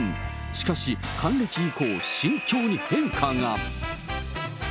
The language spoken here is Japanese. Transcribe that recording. しかし、還暦以降、心境に変化が。